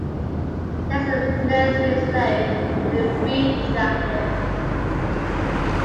There is a nursery slope with a free drag lift.